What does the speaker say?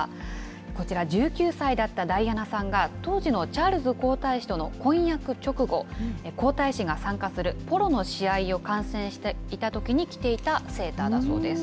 こちら１９歳だったダイアナさんが、当時のチャールズ皇太子との婚約直後、皇太子が参加するポロの試合を観戦していたときに着ていたセーターだそうです。